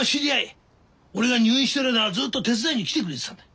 俺が入院してる間ずっと手伝いに来てくれてたんだ。